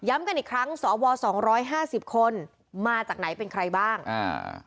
ย้ำกันอีกครั้งสว๒๕๐คนมาจากไหนเป็นใครบ้างอ่า